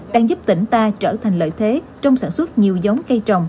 đang giúp tỉnh ta trở thành lợi thế trong sản xuất nhiều giống cây trồng